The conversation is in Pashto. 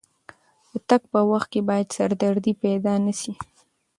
د تګ په وخت کې باید سردردي پیدا نه شي.